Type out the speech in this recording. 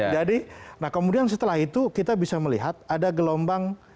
nah kemudian setelah itu kita bisa melihat ada gelombang